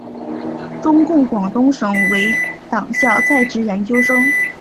中共广东省委党校在职研究生。